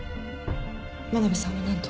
真鍋さんは何と？